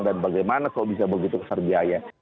dan bagaimana kok bisa begitu besar biaya